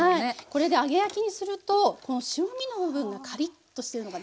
これで揚げ焼きにするとこの白身の部分がカリッとしてるのがね